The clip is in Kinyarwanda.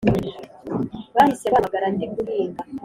Bahise bampamagara ndi guhinga n